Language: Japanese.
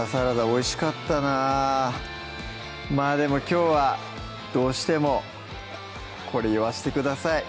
おいしかったなまぁでもきょうはどうしてもこれ言わしてください